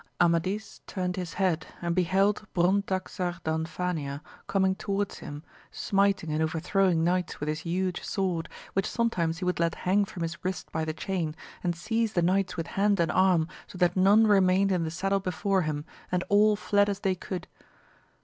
Amadis turned his head and beheld Brontaxar Dan fania coming towards him, smiting and overthrowing knights with his huge sword, which sometimes he would let hang from his wrist by the chain, and seize the knights with hand and arm, so that none remained in the saddle before him, and all fled as they could.